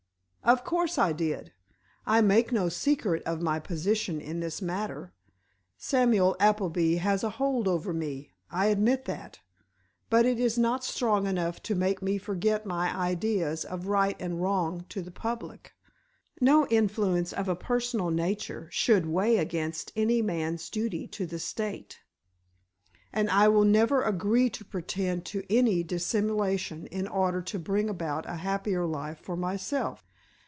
"Of course I did. I make no secret of my position in this matter. Samuel Appleby has a hold over me—I admit that—but it is not strong enough to make me forget my ideas of right and wrong to the public. No influence of a personal nature should weigh against any man's duty to the state, and I will never agree to pretend to any dissimulation in order to bring about a happier life for myself."